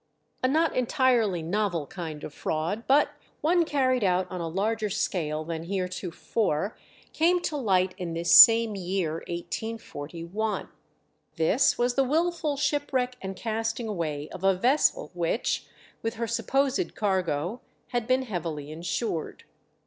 A not entirely novel kind of fraud, but one carried out on a larger scale than heretofore, came to light in this same year, 1841. This was the wilful shipwreck and casting away of a vessel which, with her supposed cargo, had been heavily insured.